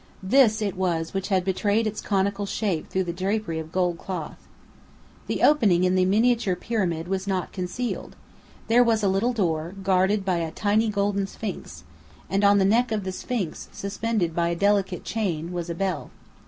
This it was which had betrayed its conical shape through the drapery of gold cloth. The opening in the miniature pyramid was not concealed. There was a little door, guarded by a tiny golden sphinx; and on the neck of the sphinx, suspended by a delicate chain, was a bell.